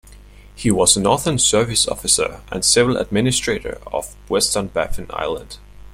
He was a northern service officer and civil administrator of western Baffin Island.